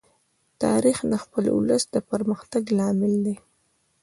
تاریخ د خپل ولس د پرمختګ لامل دی.